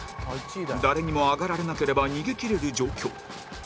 誰にもアガられなければ逃げきれる状況